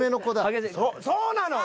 そうなの。